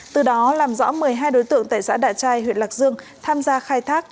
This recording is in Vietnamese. từ đó làm rõ một mươi hai đối tượng tại xã đại trai huyện lạc dương tham gia khai thác